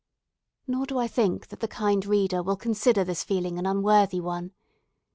Nor do I think that the kind reader will consider this feeling an unworthy one.